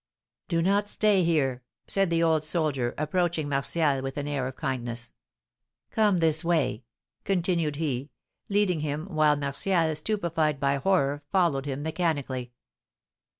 "Do not stay here," said the old soldier, approaching Martial with an air of kindness. "Come this way," continued he, leading him, while Martial, stupefied by horror, followed him mechanically.